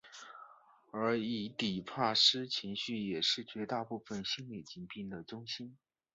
而伊底帕斯情结也是绝大部分心理疾病的中心。